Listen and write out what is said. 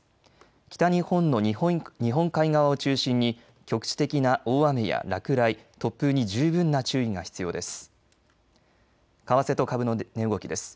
北日本の日本海側を中心に局地的な大雨や落雷、突風に十分な注意が必要です。